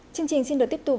chương trình xin được tiếp tục